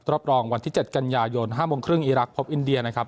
รอบรองวันที่๗กันยายน๕โมงครึ่งอีรักษ์พบอินเดียนะครับ